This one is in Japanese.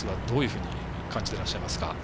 どういうふうに感じてらっしゃいますか？